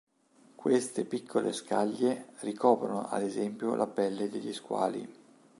Queste piccole scaglie ricoprono ad esempio la pelle degli squali.